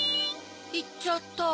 いっちゃった。